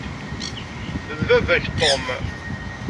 D baba-k Tom.